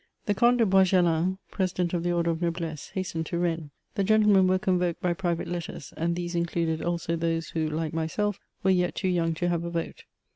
The Comte de Boisgelin, president of the order of noblesse, hastened to Rennes. The gentlemen were convoked by private letters, and, these included sJso those who, like myself, were yet too young to have a vote.